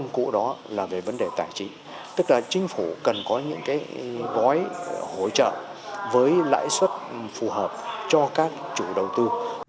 chính phủ cần có những gói hỗ trợ với lãi suất phù hợp cho các chủ đầu tư